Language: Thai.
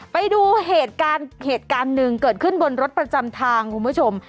ไปดูเหตุการณ์เหตุการณ์หนึ่งเกิดขึ้นบนรถประจำทางคุณผู้ชม